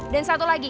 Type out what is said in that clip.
dan satu lagi